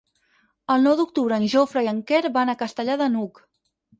El nou d'octubre en Jofre i en Quer van a Castellar de n'Hug.